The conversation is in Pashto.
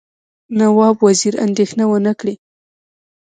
نواب وزیر اندېښنه ونه کړي.